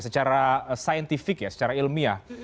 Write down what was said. secara saintifik ya secara ilmiah